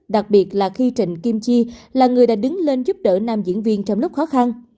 đặc biệt là khi trịnh kim chi là người đã đứng lên giúp đỡ nam diễn viên trong lúc khó khăn